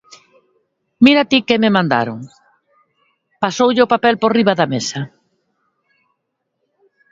_¡Mira ti que me mandaron! _pasoulle o papel por riba da mesa.